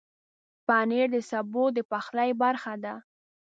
پنېر د سبو د پخلي برخه ده.